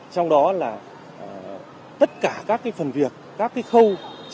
trong đó là tất cả các phần việc các khâu